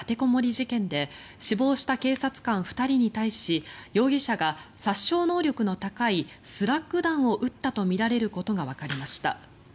事件で死亡した警察官２人に対し容疑者が殺傷能力の高いスラッグ弾を撃ったとみられることがわかりました。